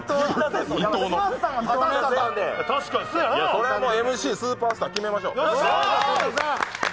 それはＭＣスーパースター決めましょう。